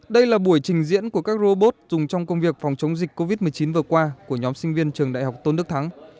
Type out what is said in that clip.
đây là buổi trình diễn của các robot dùng trong công việc phòng chống dịch covid một mươi chín vừa qua của nhóm sinh viên trường đại học tôn đức thắng